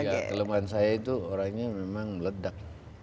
kelemahan saya itu orangnya memang ledak